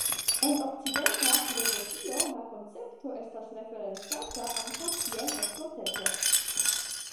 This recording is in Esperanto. En Okcidenta filozofio la koncepto estas referencata ankaŭ kiel "estonteco".